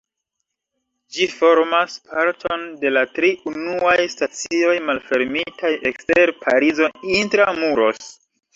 Ĝi formas parton de la tri unuaj stacioj malfermitaj ekster Parizo "intra-muros".